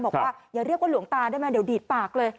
บอกว่าอย่าเรียกว่าหลวงตาได้ไหมเดี๋ยวดีดปากเลย